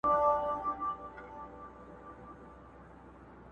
ستا د حسن ترانه وای.!